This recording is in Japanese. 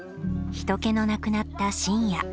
人けのなくなった深夜。